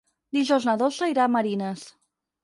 Dijous na Dolça irà a Marines.